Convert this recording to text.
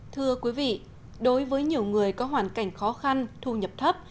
thưa quý vị đối với nhiều người có hoàn cảnh khó khăn thu nhập thấp